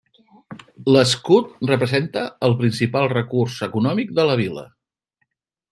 L'escut representa el principal recurs econòmic de la vila.